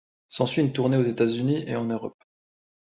S'ensuit une tournée aux États-Unis et en Europe.